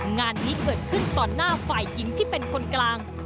งานนี้เกิดขึ้นต่อหน้าฝ่ายหญิงที่เป็นคนกลาง